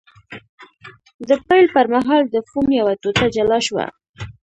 د پیل پر مهال د فوم یوه ټوټه جلا شوه.